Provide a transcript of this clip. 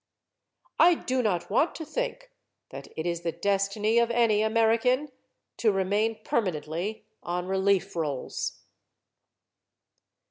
I do not want to think that it is the destiny of any American to remain permanently on relief rolls.